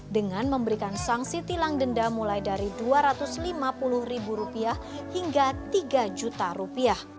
dengan memberikan sanksi tilang denda mulai dari rp dua ratus lima puluh hingga rp tiga